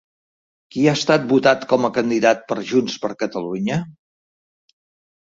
Qui ha estat votat com a candidat per Junts per Catalunya?